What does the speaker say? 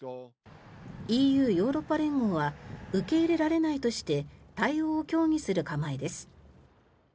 ＥＵ・ヨーロッパ連合は受け入れられないとして対応を協議する構えです。